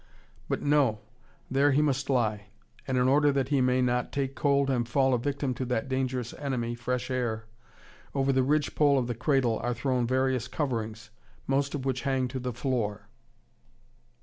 But no, there he must lie, and, in order that he may not take cold and fall a victim to that dangerous enemy, fresh air, over the ridgepole of the cradle are thrown various coverings, most of which hang to the floor.